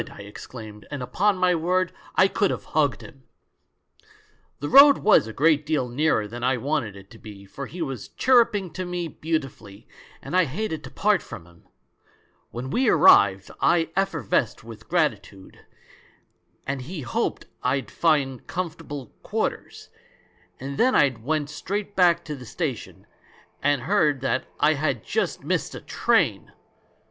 I exclaimed, and upon my word I could have hugged him ! "The road was a great deal nearer than I wanted it to be, for he was chirruping to me beautifully, and I hated to part from him. When we arrived I effervesced with gratitude, and he hoped I'd find comfortable quarters; and then I went straight back to the station — and heard that I had just missed a train!